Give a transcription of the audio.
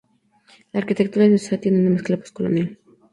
La arquitectura de la ciudad tiene una mezcla pos-colonial.